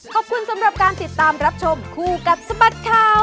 ขอบคุณสำหรับการติดตามรับชมคู่กับสบัดข่าว